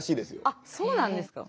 あっそうなんですか。